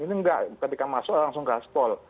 ini enggak ketika masuk langsung gaspol